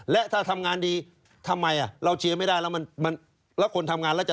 และถ้าทำงานดีทำไมอะ